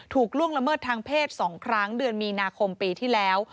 ล่วงละเมิดทางเพศ๒ครั้งเดือนมีนาคมปีที่แล้ว